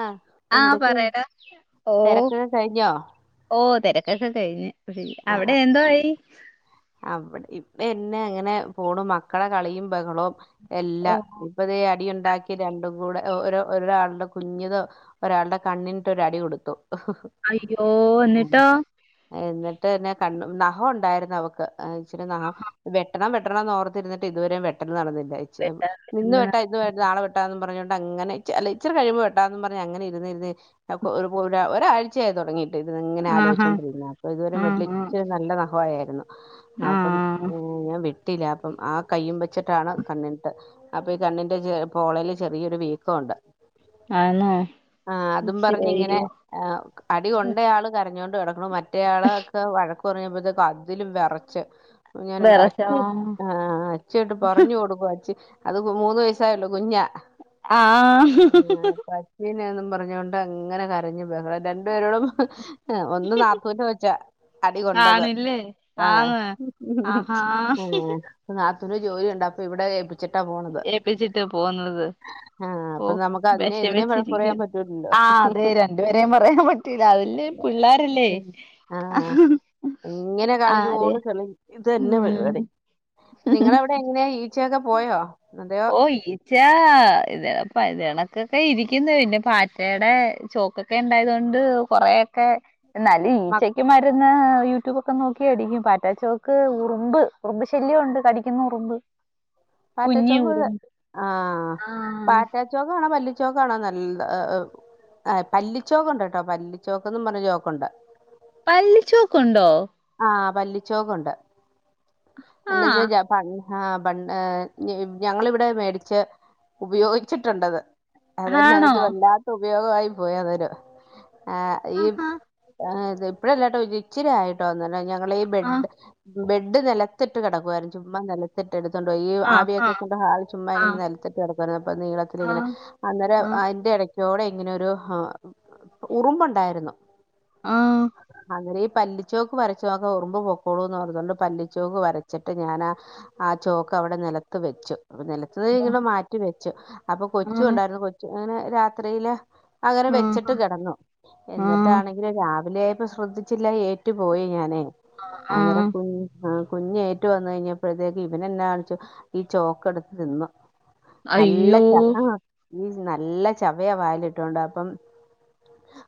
ആഹ് ആഹ് എന്തൊക്കെ പറയടാ ഓ തിരക്കൊക്കെ കഴിഞ്ഞോ ഓ തെരക്കെക്കെ കഴിഞ്ഞ് ആ അവിടെ എന്തോആയി- ആ അവ്ടെ ഇവിടെ ഇന്നെ അങ്ങനെ പോണു മക്കടെ കളിയും ബഹളോം- ഓ എല്ലാം ഇപ്പ ദേ അടി ഒണ്ടാക്കി രണ്ടും കൂടെ- ഒരാഒരാളുടെ കുഞ്ഞിത് ഒരാളുടെ കണ്ണിന്ട്ട് ഒരടി കൊടുത്തു- അയ്യോ എന്നിട്ടോ? ത്തന്നെ കണ്ണും നഹം ഒണ്ടായിര്ന്നു അവക്ക്- ത് ആ ഇച്ചിരെ നഖം വെട്ടണം വെട്ടണംന്നോർത്തിരുന്നിട്ട് ഇതുവരും വെട്ടല് നടന്നില്ല- [unintelligible] ഇന്ന് പെട്ടെന്ന്. വെട്ടാം ഇന്ന് വെട്ടാ നാളെ വെട്ടാന്ന് പറഞ്ഞോണ്ട്- അങ്ങനെച്ചി അല്ല ഇച്ചിരി കഴിയുമ്പോ വെട്ടാന്ന് പറഞ്ഞ് അങ്ങനെ ഇരുന്നിരുന്നേ- അപ്പോ ഒരു പൂര ഒരാഴ്- ച്ചെ തോടങ്ങി- ഇത് ഇങ്ങനെ ആഹാ ആലോചിച്ചോണ്ടിരുന്നു അപ്പോ ഇതുവരെ വെട്ടില ആഹ് ഇച്ചരി നല്ല നഖ ആയാരുന്നു. അപ്പം ആഹ് ഞാൻ വിട്ട ട്ടില അപ്പം ആ കയ്യും വെ ച്ചിട്ടാണ് കണ്ണിൻട്ട് അപ്പൊ ഈ കണ്ണിന്റെ ച്ചെ പോളേല് ചെറിയൊരു വീക്കമുണ്ട് ആന്നോ ആ അതും പറഞ്ഞ് ശരി ഇങ്ങനെ ആ അടി കൊണ്ടയാള് കരഞ്ഞോണ്ട് ഇട മ്മള്ള് മറ്റ് റ്റെയാള ഒക്കെ വഴക്കു കുറെ [unintelligible] കാ അതിലും വിറച്ച് ഞാനുണ്ടാഇ വെറശോ മ് ആ അച്ചട്ടെ പറഞ്ഞു കൊടുക്കും അച്ചി അത് മൂന്ന് വയസ്സായുള്ളു കുഞ്ഞ ആ ആ ഹ് ഹ് ഹ് ഹ് പറഞ്ഞൊണ്ട് അങ്ങനെ കരഞ്ഞു ബഹള രണ്ടു പേരോടും ഹ് ഒന്ന് നാത്തൂൻ്റെ കൊച്ചാ അടി കൊണ്ടത് ആഹ് ആന്നോ ആഹ ഹി ഹി ആഹ് നാത്തൂന് ജോലിണ്ട് അപ്പോ ഇവിടെ ഏൽപ്പിച്ചിട്ടാ പോണത് ഏപ്പിച്ചിട്ട് പോന്നത് ആഹ് അപ്പൊ ഓ നമുക്ക് അതിനെ ഇതിനെ വഴക്ക് വിഷമിച്ചിരിക്കു പറയാൻ പറ്റൂലല്ലോ ആ അതെ രണ്ടുപേരേയും പറയാൻ പറ്റൂല അതല്ലേ പിള്ളേരല്ലേ--ഹ ആഹ് ഹ ആ [unintelligible] ഇത് തന്നെ പരിവാടി നിങ്ങളവിടെ എങ്ങനെയാ ഈച്ചയക്കെ ഓ ഈച്ച ഇതപ്പ ഇത്കണക്കൊക്കെ ഇരിക്കിന്നു പിന്നെ പാറ്റയുടെ ചോക്കൊക്കെ ഇണ്ടായത് കൊണ്ട് കൊറെയൊക്കെ എന്നാല് മ ഈച്ചക്ക്മാര് പിന്ന യൂട്യൂബൊക്കെ നോക്കി അടിക്കും പാറ്റാച്ചോക്ക് ഉറുമ്പ് ഉറുമ്പ് ശല്യം ഉണ്ട് കടിക്കുന്ന ഉറുമ്പ് കുഞ്ഞി പാറ്റച്ചോക്ക് ഉറുമ്പ് ആ ആ പാറ്റച്ചോക്ക് ആണോ പല്ല ച്ചോക്കാണോന്നറി ഓ ഓ പല്ലിച്ചോക്ക് ഉണ്ട് കേട്ടോ പല്ലിച്ചോക്ക്ന്ന് പറഞ്ഞ ചോക്കുണ്ട് പല്ലിച്ചോക്ക് ഉണ്ടോ ആ പല്ലിച്ചോക്കുണ്ട് ആ എന്ന ചജ പ ആഹ് ഞങ്ങളിവിടെ മേടിച്ച് ഉപയോഗിച്ചിട്ടുണ്ടത് അതന്നെ ആണോ അത് വല്ലാത്ത ഉപയോഗായി പോയന്നരു ആഹ് ഈ ആഹാ ആഹ് - ഇപ്പോഴല്ലാട്ടോ ഒരുച്ചിരിയായ്- [unintelligible] ഞാൻ - ആ [unintelligible] ബെഡ് നെലത്തിട്ട് കെടക്കുവായിരുന്നു ചുമ്മാ നെലത്ത് ട്ട് എടുത്തോണ്ട് പോയി ഈ ആ ആ ആവിയൊക്കെ കൊണ്ട് ഹാൾ ചുമ്മാ ആ ഇങ്ങനെ നെലത്ത്ട്ട് കെട്ക്കുവായിരുന്നു അപ്പോ ആ ആ നീളത്തിലിങ്ങനെ അന്നേരം അയിന്റെ എട ച്ചോടെ ഇങ്ങനൊരു ഹ്ആ ഉറുമ്പൊണ്ടാര്ന്നു- ആഹ്- അങ്ങരീ പല്ല്- ചോക്ക് വരചോക്ക് ഉറുമ്പു പൊക്കോളൂന്ന് പറഞ്ഞൊണ്ട് പല്ലിച്ചോക്ക് വരച്ചിട്ട് ഞാനാ ആ ചോക്ക് അവിടെ നെലത്ത് വെച്ചു- നെലത്ത് ആ ഇങ്ങെനെ മാറ്റി വെ ച്ച് അപ്പൊ കൊച്ചുണ്ടായിരുന്നു കൊച്ച് അങ്ങനെ രാത്രിയില് അങ്ങന ആ വെച്ചിട്ട് കെടന്നു ആ എന്നിട്ടാണെങ്കിൽ രാ - [unintelligible] ശ്രദ്ധിച്ചില്ല ഏ റ്റ് പോയി ഞാന് ആ അന്നേരം കു ആ കുഞ്ഞ് ഏറ്റു വന്ന് കഴിഞ്ഞപ്പഴത്തേക്ക്‌ ഇവനെന്നാ കാണിച്ചു ഈ ചോക്കെട്ത്ത് തിന്നു അയ്യോ ഉം നല്ല ചവയാ വായിലിട്ടോണ്ട് അപ്പം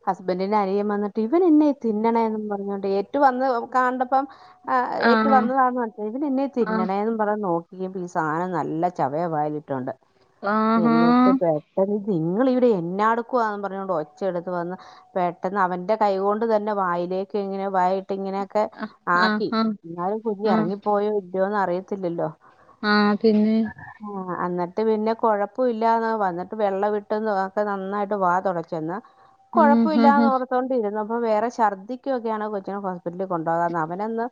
ഹസ്ബൻഡിന്റ അനിയൻ വന്നിട്ട് ഇവൻ എന്നാ ഈ തിന്നണെന്നും പറഞ്ഞോണ്ട് ഏറ്റു വന്ന് കാണ്ടപ്പം ആ ഏറ്റു വന്നതാന്ന് മൻസിലായി ഇവനെന്നാ ഈ ആ തിന്നണേന്നും പറഞ്ഞ് നോക് [unintelligible] പീസ അങ്ങനെ നല്ല ചവയ വായിലിട്ടോണ്ട് ആഹാ എന്നിട്ട് പെട്ടെന്ന് നിങ്ങൾ ഇവിടെ എന്നാ എടുക്കുവാ ന്നും പറഞ്ഞോണ്ട് ഒച്ച എടുത്ത് വന്ന് പെട്ടെന്ന് അവന്റെ കൈ കൊണ്ട് തന്നെ വായിലേക്ക് ഇങ്ങനെ വായി ട്ട് ഇങ്ങനെയൊക്കെ ആഹ് ആക്കി ആഹ് ആഹ് എന്നാലും കുഞ്ഞി ആഹ് എറങ്ങിപ്പോയോ ഇല്ലയോ അറി അറിയത്തില്ലല്ലോ ആഹ് പിന്നെ ആഹ് അന്നിട്ട് പിന്നെ കൊഴപ്പം ഇല്ലാന്ന് വന്നിട്ട് വെള്ളം [unintelligible] ഒക്കെ നന്നായിട്ട് വാ തുടച്ചന്ന് ആഹ് ആഹ് കൊഴപ്പില്ലാന്ന് ഓർത്തോണ്ടിരുന്നു പ്പം വേറെ ഛർദിക്കു ഒക്കെയാണ് കൊച്ച് [unintelligible] ഹോസ്പറ്റല് കൊണ്ടു പോവാന്ന് [unintelligible] അവനൊന്ന്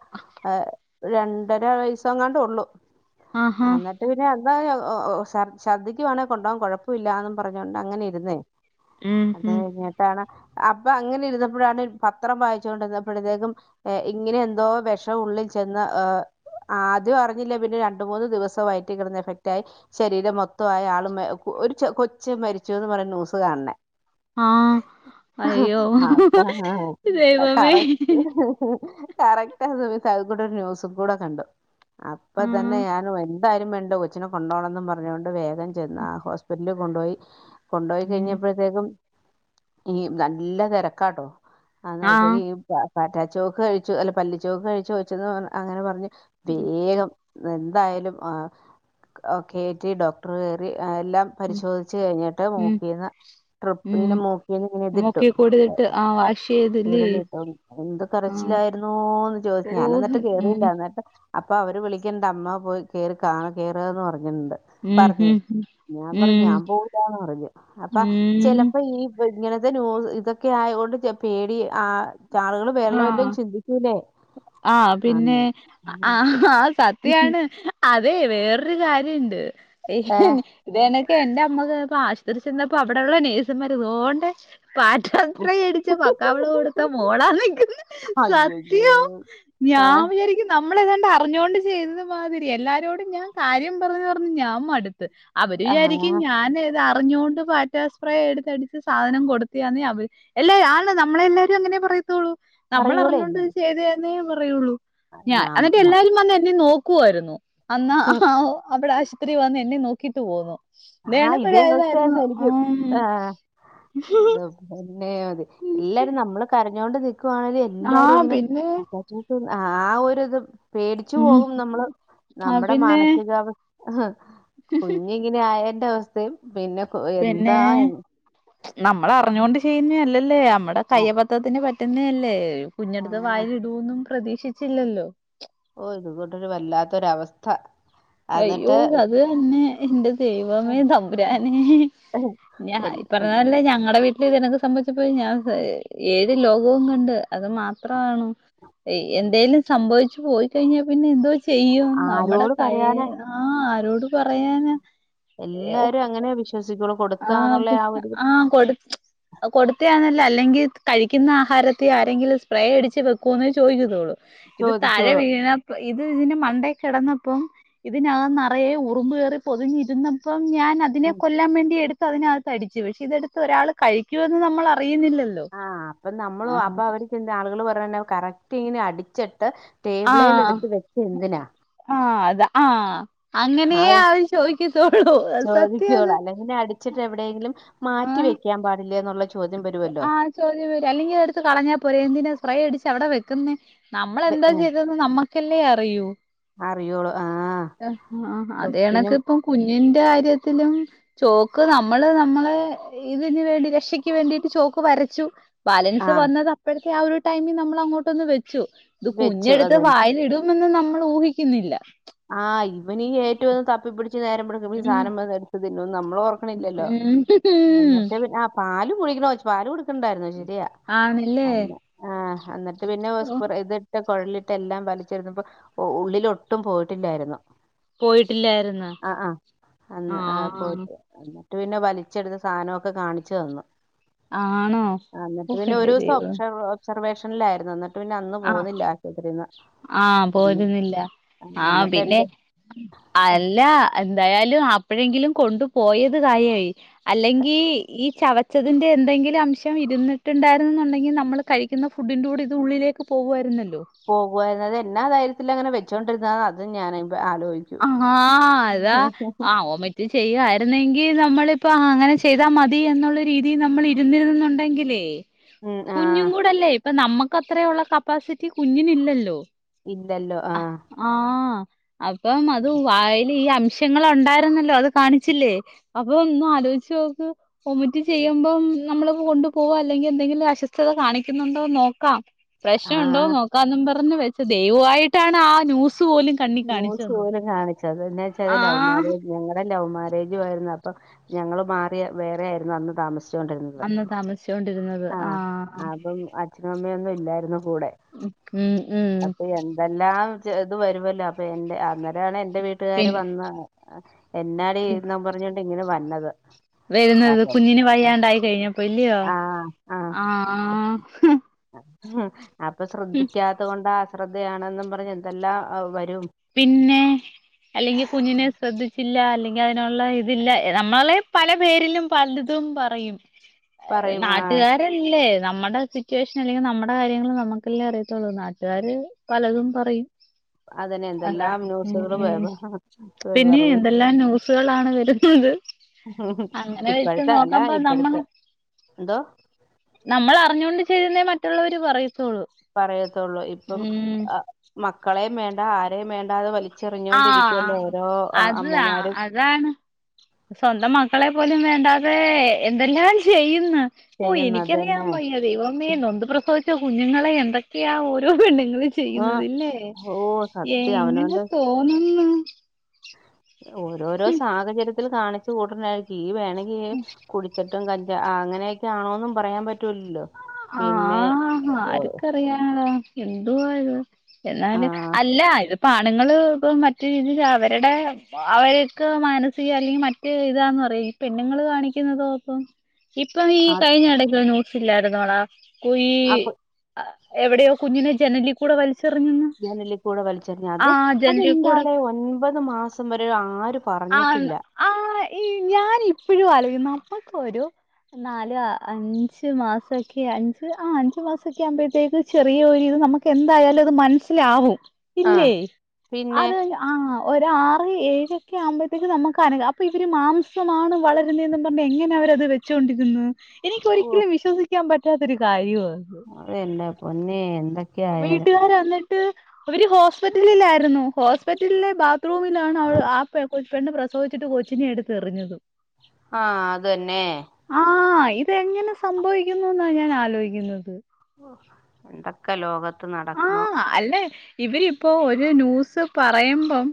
ആഹ് രണ്ടര വയസ്സ് അങ്ങാണ്ട് ഒള്ളു ആഹാ അന്നട്ട് പിന്നെ [unintelligible] ഓ ഓ ശർ ശർദ്ദിക്കുവാണെ കൊണ്ടോവാം കൊഴപ്പം ഇല്ലാന്നും പറഞ്ഞോണ്ട് അങ്ങനെ ഇരുന്നേ ഉം അത് ഉം ഇങ്ങട്ടാണ് അപ്പം അങ്ങനെ ഇരുന്നപ്പഴാണ് പത്രം വായിച്ചോണ്ട് ഇരുന്നപ്പ് പ്പഴത്തേക്കും ഇങ്ങനെ എന്തോ വെഷം ഉള്ളിൽ ചെന്ന് ആ ആദ്യം അറിഞ്ഞില്ല പിന്നെ രണ്ട് മൂന്ന് ദിവസമായിട്ട് കിടന്ന് എഫക്റ്റ് ആയി ശരീരം മൊത്തം ആയി ആളും മ ഒരു ചൊ കൊച്ചും മരിച്ചുന്ന് പറഞ്ഞ് ന്യൂസ് കാണണേ ആഹ് അയ്യോ അപ്പൊ ദൈവമേ കറക്റ്റ് കറക്റ്റ് ആ സമയത്ത് [unintelligible] ന്യൂസും കൂട കണ്ടു അപ്പ ആഹ് തന്നെ ഞാൻ വലി ന്തായാലും വേണ്ടൂ കൊച്ചിനെ കൊണ്ടോണെന്നും പറഞ്ഞോണ്ട് വേഗം ചെന്ന് ആ ഹോസ്പിറ്റ് ല് കൊണ്ടോയി കൊണ്ടോയി ഉം കഴിഞ്ഞപ്പഴത്തേക്കും ഈ നല്ല തിരക്കാട്ടോ ആന്ന് ആഹ് [unintelligible] പാറ്റാ ചോക്ക് കഴിച്ചു അല്ല പല്ലി ചോക്ക് കഴിച്ചു വെച്ചെന്ന് അങ്ങനെ പറഞ്ഞ് വേഗം എന്തായാലും ആ ഒ കേറ്റി ഡോക്ടർ കേറി ആഹ് എല്ലാം ഉം പരിശോധിച്ച് കഴിഞ്ഞിട്ട് ഉം മൂക്കീന്ന് ട്രിപ്പ് ഉം ഇങ്ങനെ മൂക്കീന്ന് ഇങ്ങ്നെ ഇതിട്ടു മൂക്കി കൂടിയിട്ട് ആഹ് വാഷ് ചെയ്തില്ലേ കൊഴലട്ടോ എന്ത് ആഹ് കറച്ചിലായിരുന്നോന്ന് ചോയിച്ചു ഞാന ഓഹ് എന്നിട്ട് ഉം കേറിയില്ല എന്നിട്ട് അപ്പൊ അവര് വിളിക്കണ്ട് അമ്മ പോയി കേറി കാ കേയറുന്ന് പറഞ്ഞു എന്ത് ഉം പറഞ്ഞേ ഉം ഞാൻ പറഞ്ഞു ഉം ഞാൻ പോവുലാന്ന് പറഞ്ഞു അപ്പ ഉം ചെലപ്പോ ഈ ഇങ്ങനത്തെ ന്യൂസ് ഇതൊക്കെ ആയൊണ്ട് കേ പേടിയ ആ കാളുകള് വേറെള്ള വല്ലം ചിന്തിക്കൂല്ലേ ആ പിന്നെ അ ആ സത്യയാണ് അത് എ വേറൊരു കാര്യണ്ട് ഏ ഇതനക്കെ എന്റെ അമ്മ കേ പ്പൊ ആശുപത്രി ചെന്നപ്പോ അവിടെയുള്ള നഴ്സുമാർ ഉള്ളോണ്ട് പാട്ടത്ര ഏടിച്ച പക്കവിടെ കൊടുത്ത മോളാനിക്കു അയ്യയ്യോ യൊ ഏ ഞാൻ വിചാരിക്കുംന നമ്മളെതാണ്ട് അറിഞ്ഞുകൊണ്ട് മ്മളെങ്ങാണ്ട് അറിഞ്ഞോണ്ട് ചെയ്തത് മാതിരി എല്ലാരോടും ഞാൻ കാര്യം പറഞ്പറഞ്ഞ് ഞാൻ മടുത്ത അവര് ആ വിചാരിക്കും ഞാൻ ഏതാ അറിഞ്ഞുകൊണ്ട് പാറ്റാസ്പ്രേ എടുത്തടിച്ച് സാധനം കൊടുത്തിയാന്ന് അവ എല്ലാരും ആണ് നമ്മളെ എല്ലാവരും അങ്ങനെ പറയത്തുള്ളൂ പറയൂലെ. ന്നേ പറയുള്ളൂ. ഞാൻ എന്നിട്ട് ന- എല്ലാരും വന്ന് എന്നെ നോ ക്കുവായിരുന്നു അന്നാ ആ അവിടെ ആശുപത്രി വന്ന എന്നെ നോക് ക്ക് തോന്നു ആഹ് ഇതേ അവസ്ഥ ആയിരുന്നു എനിക്കും ആഹ് ആ [unintelligible] [unintelligible] എല്ലാരും നമ്മള് കരഞ്ഞൊണ്ട് നീ [unintelligible] എല്ലാരും ആഹ് ഇങ്ങനെ പിന്നെ [inaudible] ആ ആ ഒരുരിതും പേടിച്ചു ഉം പോകും നമ്മള് ആഹ് നമ്മുടെ പിന്നെ മാനസികാവസ് കുഞ്ഞിങ്ങനെ ആയ [unintelligible] അവസ്ഥയും പിന്നെ [unintelligible] എന്താ നമ്മൾ അറിഞ്ഞൊണ്ട് ചെയ്യുന്ന അല്ല ലെയ് നമ്മുടെ ആ കയ്യബദ്ധത്തിന് പ റ്റുന്നേല്ലേ കുഞ്ഞെടുത്ത് ആ, വായിലിടുന്നും പ്രതീ ച്ചില്ലല്ലോ ഓ ഇത് കൊണ്ടൊരു വല്ലാത്തൊരവസ്ഥ അയ്യോ എന്നിട്ട് അത് തന്നെ എന്റെ ദൈവമേ തമ്പുരാനെ ഞ വെൽ- ഇപ്പറഞ്ഞപോലെ ഞങ്ങടെ വീട്ട എനക്ക് സംഭവിച്ചപ്പോ ഞാൻ ഏഴ് ലോകോം കണ്ട് അത് മാത്രമാണോ എ എന്തേലും സംഭവിച്ചു പോയി കഴിഞ്ഞാൽ പിന്നെ എന്തോ ചെയ്യും നമ്മുടെ ആരോട് കൈ പറയാനാ ആ ആരോട് പറയാനാ എല്ലാരും അങ്ങനെ വിശ്വസിക്കുള്ളു ആ ആ കൊട് കൊടുത്യാ അല്ല അല്ലെങ്കിൽ കഴിക്കുന്ന ആഹാരത്തി ആരെങ്കിലും സ്പ്രേ അടിച്ച് വെക്കുവോന്നേ ചോദിക്കത്തുള്ളൂ ഇത് തഴെ ചോദിക്കുള്ളൂ വിണാ ഇത് ഇതിന് മണ്ടേ കിടന്നപ്പം ഇതിനകം നെറയെ ഉറുമ്പ് കേറി പൊതിഞ്ഞിരുന്നപ്പം ഞാൻ അതിനെ കൊല്ലാൻ വേണ്ടി എട് ടുത്ത് അതിനാത്ത് അടിച്ചു പക്ഷെ ഇതെടുത്ത് ഒരാൾ കഴിക്കുവെന്ന് നമ്മളർ ആ അപ്പൊ നമ്മളു അപ്പൊ അവര്ക്കെന്ത ആളുകള് പറയുന്നെ കറക് റ്റീനെ അടിച്ച ട്ട് ടേബിളേൽ ആഹ് എടുത്ത് വെച്ച് എന്തിനാ? ത ആഹ് ആ അങ്ങനെയേ അവര് ചോദിക്കത്തുള്ളൂ. സത്യാത് ചിട്ടെവിടെങ്കിലും മാറ്റി വെക്കാൻ പാടില്ലേന്നൊ ആ ചോദ്യം വരും. അല്ലെങ്കി അതെടുത്ത് കളഞ്ഞാ പോരെ എന്തിനാ സ്പ്രേ അടിച ച്ചവിടെ വെക്കുന്നെ? നമ്മളെന്താ ചെയ്തേന്ന് നമ്മക്കല്ലേ അറിയൂ. അറിയോളൂ ആഹ് അ ആ അതേയണക്ക് സ്വത്തിനും ഇപ്പം കുഞ്ഞിൻ ന്റെ കാര്യത്തിലും ചോക്ക് നമ്മള് നമ്മളെ ഇതിന് വേണ്ടി രക്ഷി ക്ക് വേണ്ടീട്ട് ചോക്ക് വരച്ചു. ബാലൻസ് ആഹ് വന്നത് അപ്പള് ക്കെ ആ ഒരു ടൈമിൽ നമ്മളങ്ങോട്ടൊന്ന് വച് ച്ചു. ഇത് വെച്ചു കുഞ്ഞെടുത്ത് അതന്നെ വായിലിടും ന്നുന്ന് നമ്മള് ഊഹിക്കുന്നില്ല ആ ഇവനീ ഏറ്റവും തപ്പിപ്പിടി ച്ചു നേരം [unintelligible] ഈ ഉം സധനംവന്ന് എടുത്ത് തിന്നൂന്ന് നമ്മള് ഉം ഓർക്കണില്ലല്ലോ. ഉം എന്നിട്ട് പിന്നെ ആ പാലും കൂടീക്ക്ണോയ്ച്ചു പാലുകൊട് ക്ക്ണ്ടായിരുന്നു ശരിയാ ആണല്ലേ അന്ന് ആഹ് ആന്ന് പിന്നെ ഹോസ് പ്രേ ഇത്ട് കൊഴലിട്ട് എല്ലാം വലിച്ചെടിത്തപ്പോ ഉള്ളിലൊട്ടും പോയി ട്ടില്ലാരുന്നു. പോയിട്ടില്ലാരുന്നാ ആഹ് റ്റു പിന്നെ വലിച്ചെടുത്ത സാധനവൊക്കെ കാണിച്ച് തന്നു ആണോ അന്നിട്ട് ഓഹ് പിന്നെ എന്റെ ഒരു ഒരൂസം ദൈവമേ [unintelligible] ഒബ്സർവേഷനിലാരുന്നു എന്ന് ട്ട് പിന്നെ അന്ന് ആഹ് പോന്നില്ല ആശുപത്രിന്ന് ആഹ് അന്ന് പോരുന്നില്ല ആഹ്‌ ആഹ് പിന്നെ അല്ല എന്തായാ ലും അപ്പോഴെങ്കിലും കൊണ്ടു പോയത് കാര്യായി അലങ്കി ഈ ചവച്ചതിന്റെ എന്തെങ്കിലും അംശം ഇരിട്ടുണ്ടായിരുന്ന ന്നുണ്ടെങ്കിൽ നമ്മള് കഴിക്കുന്ന ഫുഡിന്റുടെ ഇത് ഉള്ളിലെ ക്ക് പോവരുന്ന പോകുവാരുന്നു അതെന്ന ധൈര തിനെ അങ്ങനെ വെച്ചോണ്ടിരുന്ന അത് ഞാന ആഹ അതാ അ വോമിറ്റ് ചെയ്യ വരുന്നെങ്കിൽ നമ്മളിപ്പോ അങ്ങനെ ചെയ്താൽ മതി എന്നുള്ള രീതി നമ്മൾ ഇരുന്നിണ്ടെങ്കിലേ ഉം കുഞ്ഞും ആഹ് കൂടല്ലേ ഇപ്പൊ നമ്മക്ക് അത്രയ ഉള്ള കപ്പാസിറ്റി കുഞ്ഞിന് ഇല്ലല്ലോ ഇല്ലല്ലോ ആഹ് അ അപ്പം അത് വയ്യി ഈ അംഷങ്ങൾ ഉണ്ടായിരുന്നല്ലോ അത് കാണിച്ചില്ലേ അപ്പൊ ഒന്നും ആലോചിച്ച് നോക്ക് വോമിറ്റ് ചെയ്യുമ്പം നമ്മള കൊണ്ടു പോവാ അല്ലെങ്കിൽ എന്തെങ്കിലും അസ്വസ്ഥത കാണിക്കുന്നുണ്ടോന്ന് നോക്കാം പ്രശ്നം ആഹ് ഇണ്ടോന്ന് നോക്കും പ പറഞ്ഞ വെച്ച് ദൈവമായിട്ടാണ് ആ ന്യൂസ് സ് പോലും കണ്ണി കാണിച്ച [unintelligible] കാണിച്ചത് എന്നാ വെച്ചാ ലവ് മാര്യേജ് ഞങ്ങളുടെ ലവ് മാരേജും ആരുന്നു അപ്പൊ ഞങ്ങൾ മാറിയ വേറെ ആയിരുന്നു അന്ന് താമസിച്ച ചോണ്ടിരുന്നത് ചോണ്ടിരുന്നത് ആഹ് അച്ഛനും അമ്മയൊന്നും ഇല്ലായിരുന്നു കൂടെ ഉം ഉം അപ്പൊ എന്തെല്ലാം ഇത് വരുമല്ലോ അപ്പൊ എന്റെ അ എന്താണ് എന്റെ പി വീട്ടുകാര് വന്ന എന്നാടി എന്നാ പറഞ്ഞ ഇങ്ങനെ വന്നത് വരുന്നത് പാറ്റേൺ കുഞ്ഞിന് വയ്യാണ്ടായി കഴിഞ്ഞപ്പോ പോലിയോ ആഹ് ആഹ് ആഹ് അപ്പൊ ശ്രദ്ധിക്കാത്ത കൊണ്ടാണ്‌ ശ്രദ്ധയാണെന്നും പറഞ്ഞന്നുംഎന്തെല്ലാം പറ്റി പിന്നെ അല്ലെങ്കിൽ കുഞ്ഞിനെ ശ്രദ്ധിച്ചില്ല അല്ലെങ്ക അതിനുള്ള ഇതില്ല നമ്മള പല പേരിലും പലതും പറയും പറയും ആ നാട്ടുകാരല്ലേ നമ്മുടെ സിറ്റുവേഷൻ അല്ലെങ്കിൽ നമ്മുടെ കാര്യങ്ങൾ നമുക്കല്ലേ അറിയത്തുള്ളൂ നാട്ടുകാര് പലതും പറയും അതിന് അതാ എന്തെല്ലാം ന്യൂസുകളും ഉം പറയും സുകളാണ് വരുന്നത് അങ്ങനെ വെച്ച് ഇപ്പഴത്തെ അല്ല നോക്കുമ്പോ ഇപ്പഴത്തെ എന്തോ നമ്മളറിഞ്ഞൊണ്ട് ചെയ്തന്നേ മറ്റുള്ളവര് പറയൂ പറയത്തോള്ളൂ ഇപ്പം ആഹ്‌ മക്ക്‌ ക്കളേം വേണ്ട ആരെയും വേണ്ടതെ വലി ആഹ് അത അമ്മമാരും അതാണ് സ്വന്തം മക്കളെ പോലും വേണ്ടാ അതെ എന്തെല്ലാം ചെയ്യുന്ന് ഓ ചെയ്യുന്നത് എനിക്കറിയൻ തന്നെ വയ്യ ദൈവം നൊന്ദു പ്രസവിച്ച കുഞ്ഞുങ്ങളെ എന്തൊക്കെയാ ഓരോ പെണ്ണു ആ ചെയുന്നത് ലേ ഓ സത്യം എങ്ങനെ അവനവന്റെ തോന്ന്ന്ന് ഓരോരോ സാഹചര്യത്തിൽ കാണി കൂട്നായിരിക്കും ഈ വെ [unintelligible] കുടിച്ചിട്ടും കഞ്ചാ അങ്ങനെയൊക്കെ ആണോന്നും പറയാൻ പറ്റൂല്ലല്ലോ ആഹ് ആഹ് ആരക്കറിയാനാടാ എന്തു വാ ഇത് ആ എന്നാല് അല്ല ഇത പ്പാണുങ്ങങ്ങള് ഇപ്പ മറ്റ്‌രീതിയില് അവരുടെ അവരക്കെ മാനസിക അല്ലെങ്കിൽ മറ്റ ഇതാന്ന് പറയാ ഈ പെണ്ണുങ്ങള് കാണിക്കുന്നതോ അപ്പം ഇപ്പം ഈ ആ കഴിഞ്ഞ ഇടക്ക [inaudible] [unintelligible] [unintelligible] കളാ കൂയീ ആ കു- എവിടെയോ കുഞ്ഞിനെ ജനലി കൂടെ വലി ജനലിൽ കൂടെ വലിച്ചെറിഞ്ഞ അത് ജനലിൽ കൂടെ അതെന്താലേ ഒൻപത് മാസം വരെ ആരും ആ ആ് ഈ ഞാൻ ഇപ്പഴും ആലോയിക്കും നമ്മക്കൊരു നാല് അഞ്ച് മാസൊക്കെ അഞ്ച് ആ അഞ്ചു മാസൊക്കെ ആവുമ്പഴ്ത്തേക്ക് ചെറിയ ഒരിത് നമ്മ്ക്ക് എന്തായാലും അത് മനസ്സിലാവും ആ ഇല്ലേയ് പിന്നെ അത് ആ ഒരാറ് ഏഴ് ക്കെ ആവുമ്പൾത്തേക്ക് നമ്മക്ക് [unintelligible] അപ്പ ഇവര് മാംസമാണ് വളരുന്നേന്ന് പർണ് എങ്ങനെ അവര് അത് വെച്ചൊണ്ടിര്ന്ന് എനിക്ക് ഒരിക്കലും വിശ്വസിക്കാൻ പറ്റ് പറ്റാത്തൊരു കാര്യവാ അതെല്ലെ പൊന്നെ എന്ത വീട്ട്കാരാന്നേ അവര് ഹോസ്പിറ്റലിലായിരുന്നു ഹോസ്പിറ്റലിലെ ബാത്റൂമിലാണ് അവള് ആ പെണ്ണ് പ്രസവിച്ചിട്ട് കൊച്ചിനെ എടുത്ത് എറിഞ്ഞത് ആഹ അതന്നെ ഇത് എങ്ങനെ സംഭവിക്കുന്നു ന്നാ ഞാൻ ആലോയിക്കുന്നത് എന്തൊക്കെ ലോക ആഹ അല്ലേ ഇവരിപ്പോ ഒരു ന്യൂസ് പറയുമ്പം